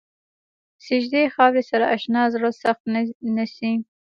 د سجدې خاورې سره اشنا زړه سخت نه شي.